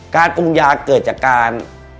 การปรุงยาเกิดจากการ